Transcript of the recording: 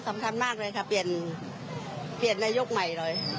สำคัญมากเลยในที่เปลี่ยนเปลี่ยนดายกลุ่ม